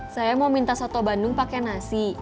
saya mau minta soto bandung pakai nasi